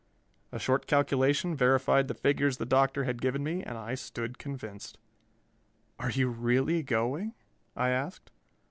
A short calculation verified the figures the Doctor had given me, and I stood convinced. "Are you really going?" I asked.